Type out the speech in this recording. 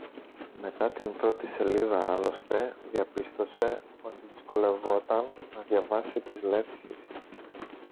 Μετά την πρώτη σελίδα άλλωστε διαπίστωσε ότι δυσκολευόταν να διαβάσει τις λέξεις